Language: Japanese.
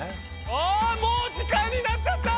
あもう時間になっちゃった！